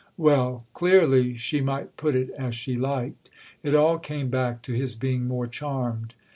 Well, clearly, she might put it as she liked—it all came back to his being more charmed.